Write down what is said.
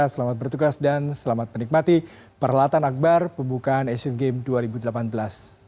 selamat bertugas dan selamat menikmati perlatan akbar pembukaan asian games dua ribu delapan belas